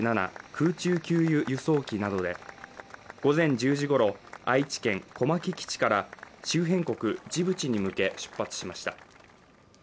空中給油輸送機などで午前１０時ごろ愛知県小牧基地から周辺国ジブチに向け出発しました